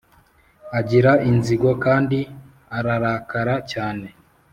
Agira inzigo kandi ararakara cyane